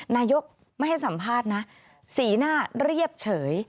นายกไม่ให้สัมภาษณ์นะสีหน้าเรียบเฉย